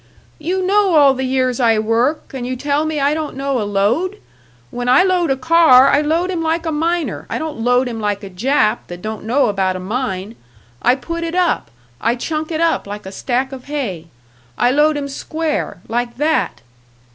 "You know all the years I work, and you tell me I don't know a load? When I load a car, I load him like a miner, I don't load him like a Jap, that don't know about a mine! I put it up I chunk it up like a stack of hay. I load him square like that."